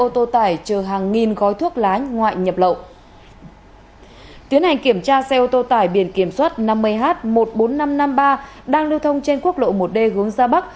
tiến hành kiểm tra xe ô tô tải biển kiểm soát năm mươi h một mươi bốn nghìn năm trăm năm mươi ba đang lưu thông trên quốc lộ một d hướng ra bắc